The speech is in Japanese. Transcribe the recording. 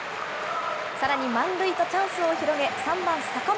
さらに満塁とチャンスを広げ、３番坂本。